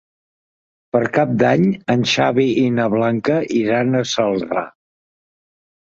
Per Cap d'Any en Xavi i na Blanca iran a Celrà.